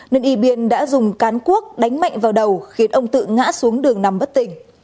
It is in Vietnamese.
nên yibin đã dùng cán cuốc đánh mạnh vào đầu khiến ông tự ngã xuống đường nằm bất tình